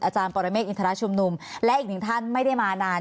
ปรเมฆอินทรชุมนุมและอีกหนึ่งท่านไม่ได้มานาน